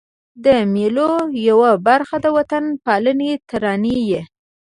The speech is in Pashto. د مېلو یوه برخه د وطن پالني ترانې يي.